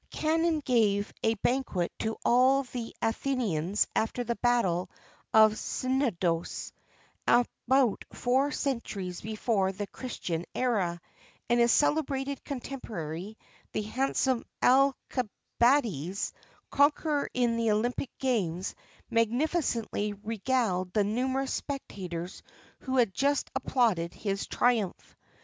Conon gave a banquet to all the Athenians after the battle of Cnidos, about four centuries before the Christian era; and his celebrated contemporary, the handsome Alcibiades, conqueror in the Olympic games, magnificently regaled the numerous spectators who had just applauded his triumph.